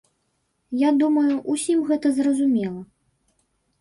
Я думаю, усім гэта зразумела.